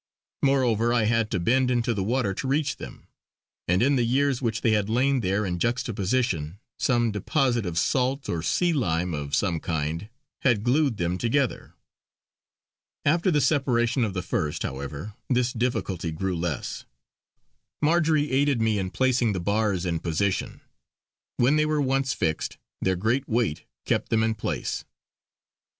Moreover I had to bend into the water to reach them, and in the years which they had lain there in juxtaposition some deposit of salt or sea lime of some kind had glued them together. After the separation of the first, however, this difficulty grew less. Marjory aided me in placing the bars in position; when they were once fixed their great weight kept them in place.